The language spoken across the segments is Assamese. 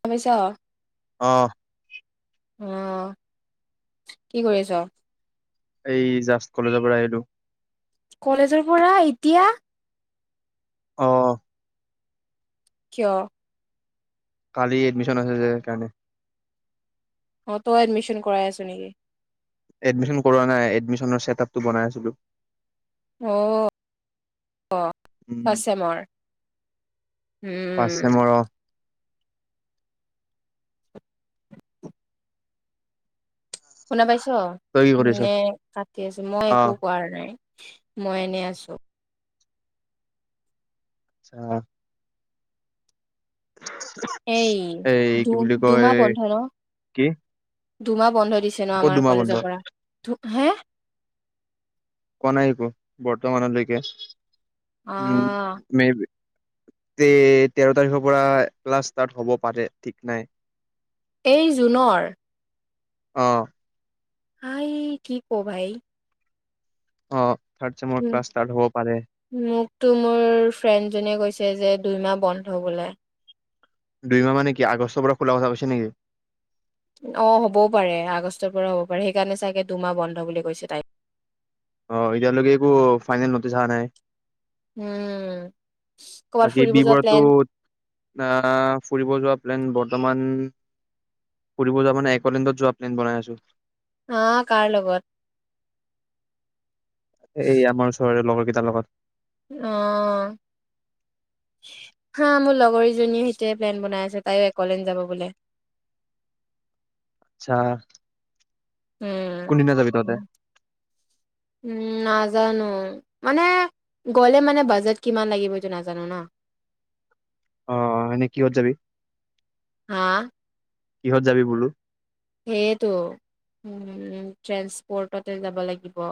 তমিছ অঁ উম কি কৰি আছা এই জাষ্ট কলেজৰ পৰা আহিলো কলেজৰ পৰা এতিয়া অঅঁ কিয়? কালি এডমিচন আছে যে সেইকাৰণে অঁ তই এডমিচন কৰাই আছ নেকি এডমিচন কৰোৱা নাই এডমিচনৰ ছেক আপটো বনাই আছিলো অঁ অঁ, আপাৰ উম। আসামৰ ফাৰ্ষ্ট চেমৰ অ', শুনা পাইছো তই কি কৰিছ? নে কাটি আছো মই একো অ', কৰোৱা নাই মই এনেই আছো অঁ আছা এই এই দু কি বুলি কয় দুমাহ বন্ধ ন কি দুমাহ বন্ধ দিছে ন ক'ত আমাৰ দুমাহ বন্ধ? কলেজৰ পৰা হাঁ কোৱা নাই একো বৰ্তমানলৈকে অ উম ম যে তেৰ তাৰিখৰ পৰা ক্লাছ ষ্টাৰ্ট হ'ব পাৰে ঠিক নাই এই জুনৰ আঁ হাই কি ক ভাই অঁ উম মোকতো মোৰ ফ্ৰেণ্ড জনে কৈছে যে দুইমাহ বন্ধ বোলে দুই মাহ মানে কি আগষ্টৰ পৰা খোলা কথা কৈছে নেকি অঁ হ'বও পাৰে আগষ্টৰ পৰা হ'ব পাৰে সেইকাৰণে চাগে দুমাহ বন্ধ বুলি কৈছে তাই অঁ এতিয়ালৈকে একো ফাইনেল নটিছ অহা নাই উম কৰ'বাত বাকী ফুৰিব বি যোৱা বৰুৱাতো প্লেন আঁ--ফুৰিব যোৱা প্লেন বৰ্তমান ফুৰিব যোৱা মানে একলেণ্ডত যোৱা প্লেন বনাই আছো আহঁ কাৰ লগত এই আমাৰ ওচৰৰে লগত কেইটাৰ লগত আঁহ হাঁ মোৰ লগৰজনীয়ে সেইটোৱে প্লেন বনাই আছে তাইও একলেণ্ড যাব বোলে আচ্ছা উম কোনদিনা যাবি তহঁতে উম আঁ নাজানো মানে গ'লে মানে বাজেট কিমান লাগিব এইটো নাজানো ন অঁ এনেই কিহত যাবি হাঁ কিহত যাবি বোলো সেইতো উ ট্ৰেন্সপৰ্টতে যাব লাগিব।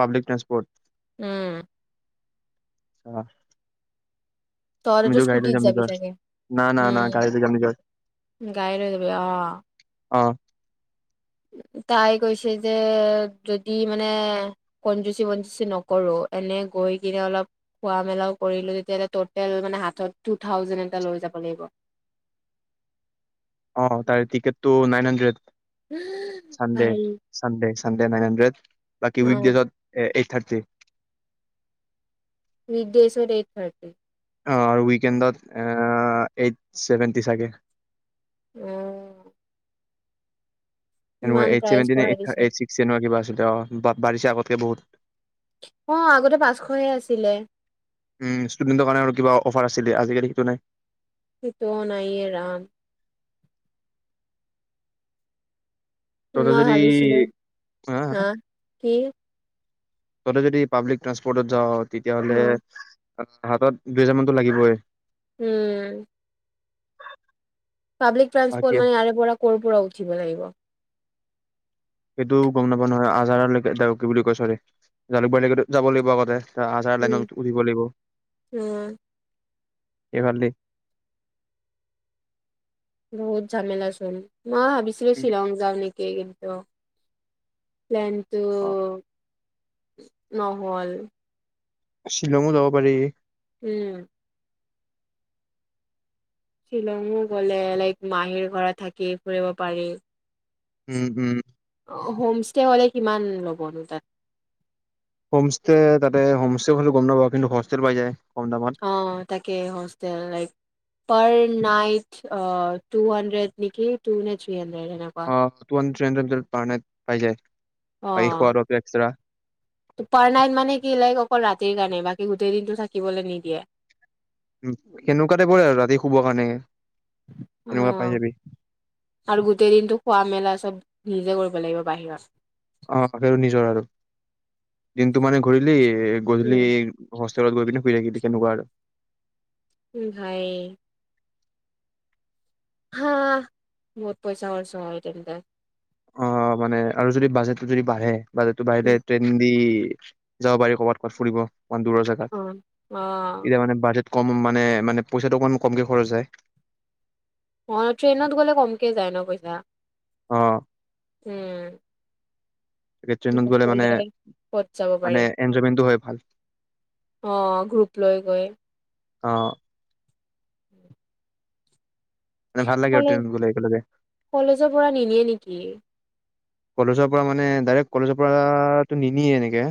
পাব্লিক ট্ৰান্সপৰ্ট উম চা তই তো স্কুটিত যাবি চাগে না না না উম গাড়ী লৈ যাম নিজৰ গাড়ী লৈ হৈ যাবি আহ। অ তাই কৈছে যে যদি মানে কনজুচি বনজুচি নকৰো এনে গৈ কিনে অলপ খোৱা মেলাও কৰিলো তেতিয়া হ'লে টটেল মানে হাতত টু থাউজেণ্ড এটা লৈ যাব লাগিব অ তাৰে টিকেট টো নাইন হাণ্ড্ৰেড চাণ্ডে ভাই চাণ্ডে হানণ্ড্ৰে নাইন হাণ্ড্ৰেড বাকী উইক অ দেশত এ থাৰটি বিডেশৰ এইড যথাৰটি অ আৰু উইকেণ্ডত এইট চছেভেন্টি চাগে উম এনো প্ৰাইচ এইটচেভেণ্টি নে বঢ়াই দিছে এইটচিক এনেকুৱা কিবা আছিল। বাৰিছে আগতকে বহুত অ আগতে পাঁচশহে আছিলে ছিল আজিকালি সেইটো নাই সটো নাইৰাম তহঁতে মই যদি ভাবিছিলো হা আহ কি তহতে যদি পাব্লিক ট্ৰ্সপৰ্টত যাও অ তেতিয়াহ'লে হাতত দুইহাজাৰ মানতো লাগিবই উম পাব্লিক ট্ৰানসপৰ্ট এতিয়া মানে ইাৰে পৰা কৰ'ৰ পৰা উঠিব লাগিব সেইটো গম নাপাও নহয় আজাৰে কি বুলি কয় চৰি জালুকবাৰীলৈকেতো যাব লাগিব আগতে এ আজাৰা উম লাইনত উঠিব লাগিব উম এইফাল দি বহুত ঝামেেলা চোন মই ভাবিছিলো উম, শ্বিলং যওঁ নেকি ক কিন্তু প্লেন্টো অ', নহল শ্বিলংঙো যাব পাৰি। উম শ্বিলংঙো গ'লে লাইক মাহীৰ ঘৰা থাকি ফুৰিব পাৰি উম উম হোম ষ্টে হ'লে কিমান ল'বনো তাত হোমষ্টে তাতে হোমষ্টে বোলো। গম নাপাবি ন হষ্টেল পাই যায়। কম দামত। অ তাকে hostel like per night two hundred নেকি টু নে থ্ৰী হানড্ৰেদ। অ, টু হান। যদি পাৰ নাইট পাই যায়। অ বাকী খোৱাটো এক্সট্ৰা'। পাৰ নাইট মানে কি লাইক অকল ৰাতিৰ কাৰণে বাকী গোটেই দিনতটো থাকিবলৈ নিদিয়ে'। সেনেকুৱাতে পৰে আৰু ৰাতি শুবৰ কাৰণে অ সেনেকুৱা পাই যাবি আৰু গোটেই দিনটো খোৱা মেলা চব নিজে কৰিব লাগিব বাহিৰত,। অ আক আৰু নিজৰ আৰু দিনটো মানে ঘূৰিলি গধুলি'। উম ওচৰত গৈ পিনি শুই থাকিলি কেনেকুৱা আৰু'। ম, ভাই। হা বহুত পইচা খৰচ হয় তেন্তে অ, মানে আৰু যদি বাজেটটো যদি বাঢ়ে। বাজেটতো বাহিলে উম ট্ৰেইন দি'। যাব পাৰি ক'ৰবাত ক'বাত ফুৰিব,। মান দুৰ জেগাত অ এতিয়া মানে বাজে কম মানে মানে পইচাটো অকমান কমকে খৰচ হয় অ ট্ৰেইনত গলে কমকে যায় ন পইচা,। অ উম,। ট্ৰেইনত গ'লে মানে সকলে কত যাব মানে পাৰি এনজয়মেন্টটো হয় ভাল আহ গ্ৰুপ লৈ গৈ। আহ,। উম,। মানে ভাল লাগে আৰু কলেজ ট্ৰেইনত গ'লে একেলগে কলেজৰ পৰা নিনিয়ে নিক কি? কলেজৰ পৰা মানে ডাইৰেক্ট কলেজৰ পৰাটো নিনিয়ে এনেকে,।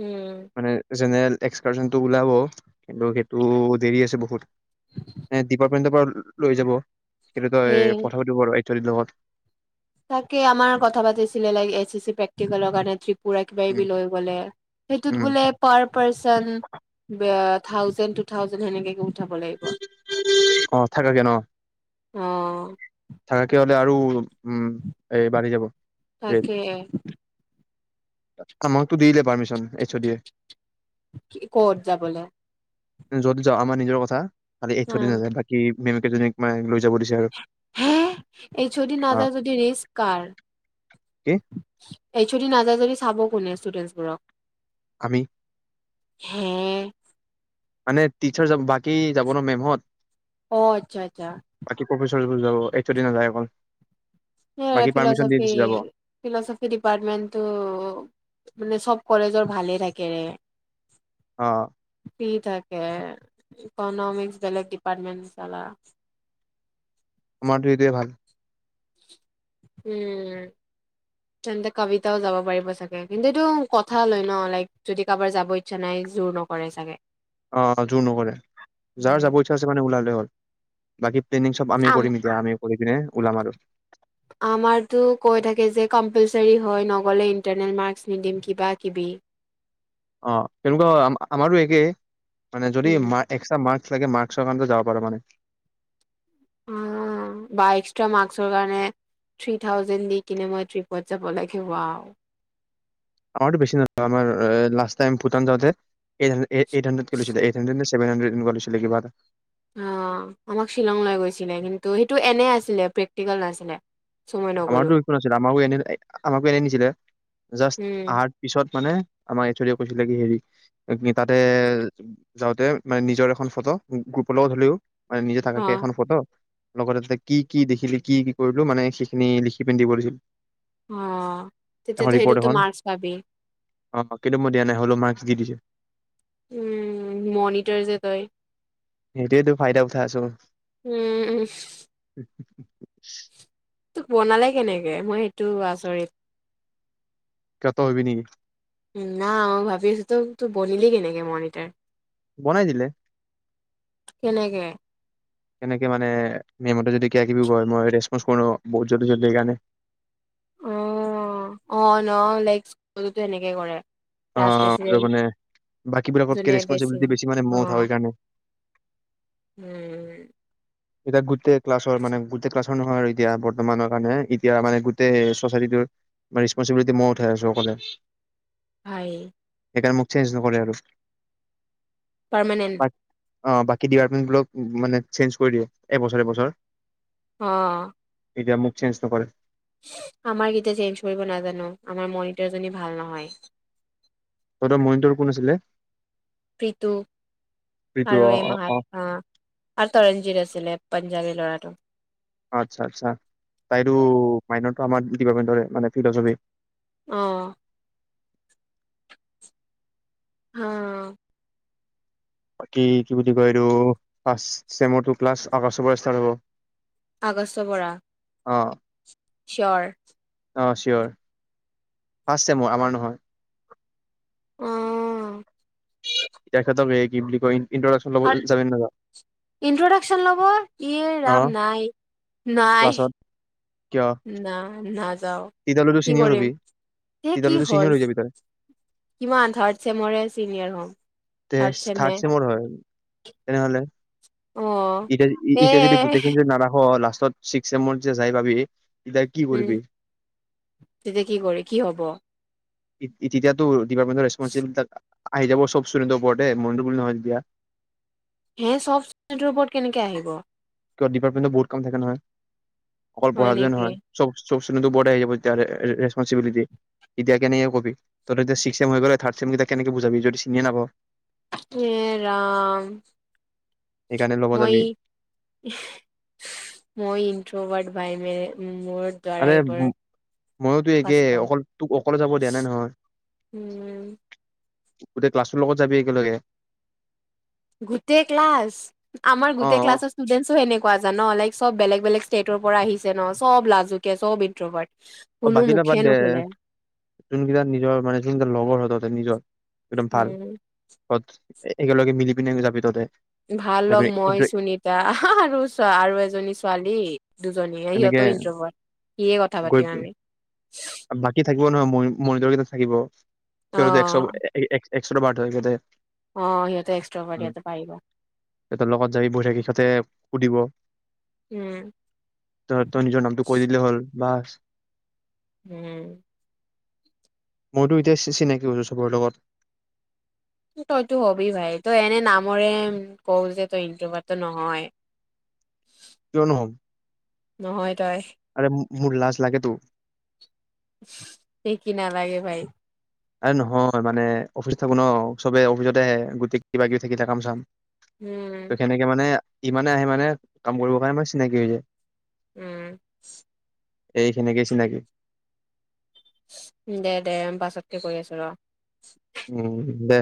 উম মানে জেনেৰেল'। এক্সকাৰচনটো ওলাব কিন্তু সেইটো দেৰি আছে বহুত ডিপাৰ্টমেন্টৰ পৰা লৈ যাব সেইটো সেই তই পথা পাতিব বাৰ,। চৰিত লগত'। তাকে আমাৰ কথা পাতিছিলে ল এ চি চি প্ৰেক্টিকেলৰ কাৰণে ত্ৰিপ,। পুৰা কিবা উম কিবি লৈ গ'লে সেইটোত উম বোলে per person thousand two thousand সেনেকে,। উঠাব লাগিব অ অ থাকাকে ন থাকাকে হলে আৰু'। উম এই বাৰে যাব এই'। তাকে আমাকতো দিলে পাৰ্মিচন এইচ ড এ'। কি ক'ত যাবলে যদি যাও আমাৰ নিজৰ কথা। খালি এই চ অ দি নাযায় বাকী মেমকেইজনীক মানে লৈ যাব দিছে আৰু। হে এইচ অ ডি নাযায় যদি ৰিক্স কাৰ, কি এইচ অ ডি নাযায় যদি চাব কোনে ষ্টুডেন্টছবোৰক আমি হে মানে টিচাৰ যাব বাকী যাব ন মেমহত। অ আচ্ছা আচ্ছা বাকী যাব এইচ অ ডি নাযায় অকল। স বাকী পাৰ্মিশন দি ফিলচফি গুচি যাব ফিলচফি ডিপাৰ্টমেণ্টটো মানে চব কলেজৰ ভালে থাকেৰে অ সি থাকে ইকনমিক্স বেলেগ ডিপাৰটমেণ্ট চালা আমাৰতো এইটোৱে ভাল উম তেন্তে কবিতাও যাব পাৰিব চাগে, কিন্তু এইটো কথা লয় ন লাইক যদি কাৰোবাৰ যাব ইচ্ছা নাই জোৰ নকৰে চাগে অ জোৰ নকৰে যাৰ উম যাব ইচ্ছা আছে মানে ওলালেই হ'ল। বাকী ট্ৰেইনিং চব আমি আম কৰিম এতিয়া আমি কৰি কিনে ওলাম আৰু কম্পালচৰী হয় নগ'লে ইণ্টাৰনেল মাৰ্কছ নিদিম কিবা কিবি অ তেনেকুৱা আমাৰো একেই মানে যদি উম, ম এক্সট্ৰা মাৰ্ক লাগে মাৰ্কচ কাৰণে ও যাব পাৰে মানে বা এক্সট্ৰা মাৰ্ক্সৰ কাৰণে থ্ৰী থাউজেড দি কিনে মই ত্ৰিপত যাব লাগিব আৰু। আমাৰতো বেছি নহ আমাৰ লাষ্ট টাইম ভূটান যাওঁতে এই এইট হান্দ্ৰেড কে লৈছিলে, এইট হান্দ্ৰেড ছেভেন হাড্ৰেড এনেকুৱা লৈছিলে কিবা অ আমাক শ্বিলং লৈ গৈছিলে, কিন্তু সেইটো এনে আছিলে প্ৰেক্টিকেল নাছিলে। চ' মই নগ'লো আমাৰতো একো নাছিলে, আমাৰো এনে আমাকো এনে নিছিলে জাষ্ট উম অহাৰ পিছত মানে আমাৰ এইচ অ ডি য়ে কৈছিলে কি হেৰি তাতে যাওঁতে মানে নিজৰ এখন ফটো গ্ৰুপৰ লগত হলেও মান নিজে থাকাক অ' এখন ফত [unintelligible] লগতে ততে কি কি দেখিলি কি কি কৰিলো মানে খিনি লিখি পিন্ধিব দিছিল অ তেতিয়া এখন তু ৰিপৰ্ট হেইটোত তো এখন মাৰ্ক্স পাবি অ কিন্ত মই দিয়া নাই হ'লো মাৰ্স দিছোঁ উম মনিটাৰ যে তই সেইটোটো ফাইদা উঠাইছো উম উ উ [unintelligible] তোক বনালে কেনেকে মই সেইটো আচৰিত কিয় তই হবি নেকি ন মই ভাবি আছো তো তোৰ বনিলি কেনেকে মনিটাৰ বনাই দিলে কেনেকে কেনেকে মানে মেমতে যদি কিব কিবি হয়য় মই ৰেচপন্ কৰোুত জল্দি জলদি কাৰণে অ অ ন লাইক স্কুলতো এনেকে কৰে। ক্লাছ প্ৰেচিডেণ্ট আহ মে বাকীবিলাকতকে ৰেচপনিবিলিটি বেছি মানে অ মঠ স কাৰণে উম এতিয়া গোটেই ক্লাছৰ মানে গোটেই ক্লাছৰ নহয় আৰু এতিয়া বৰ্তমানৰ কাৰণে এতিয়া মানে গোটেই চচাইটিটোৰ ৰেচপনচিবিলিটি মই উঠাই আছো অক'লে হয় সেইকাৰণে মোক চেঞ্জ নকৰে। আৰু পাৰমানেণ্ট বাক অ বাকী ডিপাৰ্টমেন্ট বিলাক মানে চেঞ্জ কৰি দিয়ে। এবছৰ এবছৰ আহ এতিয়া মোক চেঞ্জ নকৰে আমাৰ গীটা চেঞ্জ কৰিব নাজানো আমাৰ মনিটৰজনী ভাল নহয় তহঁতৰ মনিটৰ কোন আছিলে। পিতু প্ৰীতু আৰু অ এই অ অ মাহাত আহ আৰু তৰণজিত আছিলে। পঞ্জাৱী ল'ৰাটো। আচ্ছা আচ্ছা তাইতো মাইনটো আমাৰ ডিপাৰ্টমেন্ট মানে ফিলচপি আহ হ বাকি কি বুলি কয় এইটো ফাৰ্ষ্ট চেজ ক্লাৰষ্ট আগষ্টৰ পৰা হ'ব আগষ্টৰ পৰা অ চিঅ'ৰ অঁ চিয়'ৰ ফাৰ্ষ্ট টাইমৰ আমাৰ নহয় অ দেখেত গ কি বুলি কৈ আৰু ইনট্ৰডাকচন লব এ অ ৰাম নাই নাই ক্লাছত কিয় না নাযাওঁ তেতিয়ালৈতো কি চিনিয়ৰ কৰিম হবি এ কি তেতিয়ালৈতো হল চিনিয়ৰ হৈ যাবি তই কিমান থাৰ্ড চমৰে চিনিয়ৰ হ'ম তে থাৰ্ড চেমৰ হয়। তেনেহ'লে অ এতিয়া এ এতিয়া যদি গোটেইখিনি যদি নাৰাখা লাষ্ট চিক চে মৰ যে যাই পাবি তেতিয়া কি উম কৰিবি তেতিয়া কি কৰি কি হ'ব তেতিয়াতো ডিপাৰ্টমেণ্ট ৰেচপঞ্চ চিম্বল তাত আহি যাব চব ষ্টুৰেণ্টৰ ওপৰতে মনিটৰ বুলি নহয় তেতিয়া হে চ'ব ইস্তোডেন্ত ওপৰত কেনেকে আহিব কি ডিপাৰ্মেণ্টত বহুত কাম থাকে নহয়। অকল হয় পঢ়া যোৱ নেকি নহয় চ'ব চব ষ্টুডেণ্টৰ ওপৰতে আহিব এতিয়া ৰেচপনচিবিলিটি। এতিয়া কেনেকৈ ক'বি? তহঁতৰ এতিয়া ছিক্স চেম হৈ গ'লে, থাৰ্ড চেমকিটাক কেনেকে বুজাবি, যদি চিনিয়েই নাপাওঁ য়ে, ৰাম সেইকাৰণে লগত মই, যাবি। মই ইণ্ট্ৰ'ভাৰ্ট, ভাইবেৰে। উম আৰে, ময়োতো একে। কষ্ট অকল তোক, অকলে যাব দিয়া নাই নহয় উম গোটেই ক্লাছটোৰ লগত যাবি, একেলগে গোটেই ক্লাছ, আমাৰ অ গোটেই ক্লাছৰ ষ্টুডেণ্টছও সেনেকুৱা, জান? লাইক চব বেলেগ-বেলেগ ষ্টেটৰ পৰা আহিছে ন। চব লাজুকীয়া, চব ইণ্ট্ৰ'ভাৰ্ট অ', বাকী তই বাদ দে। যোনকেইটা নিজৰ, মানে, যোনকেইটা লগৰ হয়, তহঁতৰ নিজৰ একদম ভাল উম [unintelligible] এ, একেলগে মিলি পিনে যাবি, তহঁতে ভাল লগ, যাবি মই, সুনীতা, আৰু, আৰু এজনী ছোৱালী। দুজনীয়ে। এনেকে সিহঁতো ইণ্ট্ৰ'ভাৰ্ট। কিয়েই কথা পাতিম আমি পুৰণা, মই, মৰিগাঁৱৰকেইটা থাকিব [unintelligible] একশ অ এক এক্সট্ৰ'ভাৰ্ট হয়, সেইকেইটা অ সিহঁতে এক্সট্ৰভাৰ্ট উম, সিহঁতে পাৰিব সিহঁতৰ লগত যাবি, বহি থাকিবি। সিহঁতে সুধিব উম। ত', তই নিজৰ নামটো কৈ দিলে হ'ল বাছ উম। মইতো এতিয়া চিনাকি হৈছোঁ, চবৰে লগত তইতো হবি, ভাই। তই এনে নামৰে কও যে, তই ইণ্ট্ৰ'ভাৰ্ট, বাট, তই নহয় কিয় নহ'ম নহয় তই আৰে মোৰ লাজ লাগে, তো এ, কি নালাগে, ভাই আৰে, নহয়, মানে, অফিচত থাকোঁ ন। চবে অফিচতেই আহে। গোটেই কিবা-কিবি থাকিলে, কাম-চাম উম ত', সেনেকে মানে ইমানে আহে, মানে, কাম কৰিবৰ কাৰণে। আমাৰ চিনাকিয়েই হৈ যায় উম। এইখিনিকেই চিনাকি দে, দে। পাছতকে কৰি আছোঁ, ৰ উম, দে।